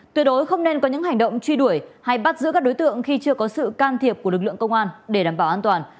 tuyệt đối không nên có những hành động truy đuổi hay bắt giữ các đối tượng khi chưa có sự can thiệp của lực lượng công an để đảm bảo an toàn